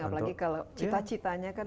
apalagi kalau cita citanya kan